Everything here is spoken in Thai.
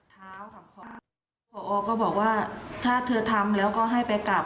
ผอก็บอกว่าถ้าเธอทำแล้วก็ให้ไปกลับ